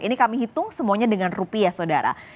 ini kami hitung semuanya dengan rupiah saudara